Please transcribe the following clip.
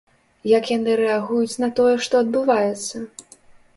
Як яны рэагуюць на тое, што адбываецца?